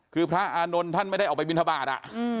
คือพระอานนท์ท่านไม่ได้ออกไปบินทบาท